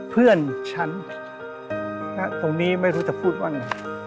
เพื่อนฉันณตรงนี้ไม่รู้จะพูดว่าไง